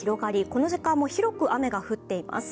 この時間も広く雨が降っています。